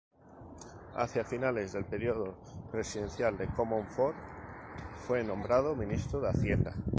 Hacia finales del período presidencial de Comonfort, fue nombrado ministro de Hacienda.